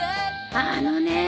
あのね。